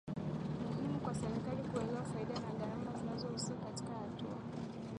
muhimu kwa serikali kuelewa faida na gharama zinazohusika katika hatua